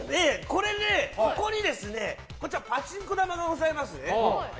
これでここにパチンコ玉がございます。